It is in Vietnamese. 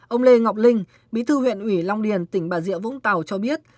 ông lê ngọc linh bí thư huyện ủy long điền tỉnh bà rịa vũng tàu cho biết